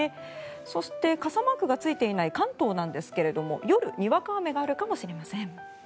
そして、傘マークがついていない関東なんですけども夜にわか雨があるかもしれません。